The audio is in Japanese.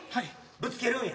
ぶつけるんや。